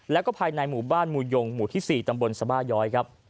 แล้วก็ภายในหมู่บ้านมูยงหมู่ที่๔ตำบลสบาย้อยครับ